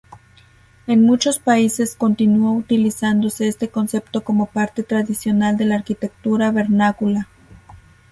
En muchos países continuó utilizándose este concepto como parte tradicional de la arquitectura vernácula.